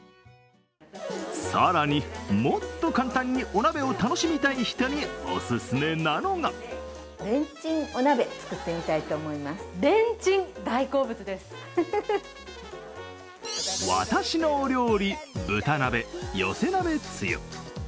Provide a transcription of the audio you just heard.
更にもっと簡単にお鍋を楽しみたい人におすすめなのがわたしのお料理豚鍋寄せ鍋つゆ。